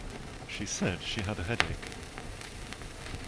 She said she had a headache.